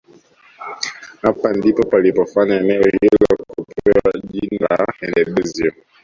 Hapa ndipo palipofanya eneo hilo kupewa jina la Handebezyo